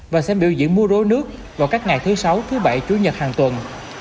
và sẽ biểu diễn mua rối nước vào các ngày thứ sáu thứ bảy chủ nhật hàng tuần